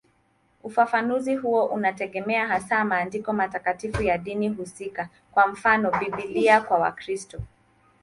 Ufafanuzi huo unategemea hasa maandiko matakatifu ya dini husika, kwa mfano Biblia kwa Wakristo.